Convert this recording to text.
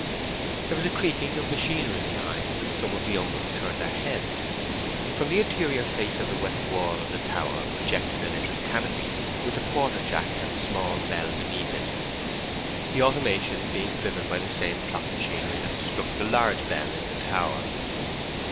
There was a creaking of machinery behind, and some of the young ones turned their heads. From the interior face of the west wall of the tower projected a little canopy with a quarter jack and small bell beneath it, the automaton being driven by the same clock machinery that struck the large bell in the tower.